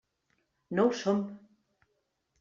No ho som.